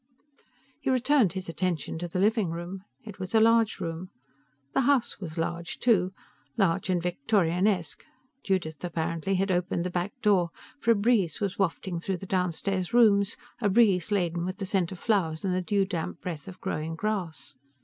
He returned his attention to the living room. It was a large room. The house was large, too large and Victorianesque. Judith, apparently, had opened the back door, for a breeze was wafting through the downstairs rooms a breeze laden with the scent of flowers and the dew damp breath of growing grass.